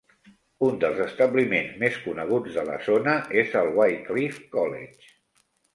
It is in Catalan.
Un dels establiments més coneguts de la zona és el Wycliffe College.